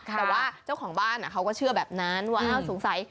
แต่ว่าเจ้าของบ้านเขาก็เชื่อแบบนั้นว่าอ้าวสงสัย